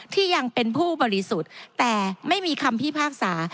ที่ยังเป็นผู้บริสุทธิ์แต่ไม่มีคำพิพากษา